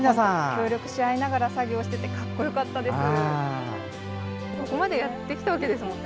協力し合いながら作業してて、格好よかったです。